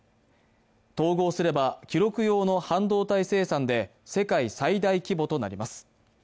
統合すれば記録用の半導体生産で世界最大規模となります。